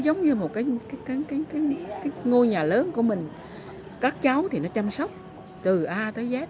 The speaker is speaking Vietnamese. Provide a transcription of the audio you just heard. giống như một cái ngôi nhà lớn của mình các cháu thì nó chăm sóc từ a tới giác